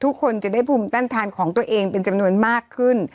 ทุกคนจะได้ภูมิต้านทานของตัวเองเป็นจำนวนมากขึ้น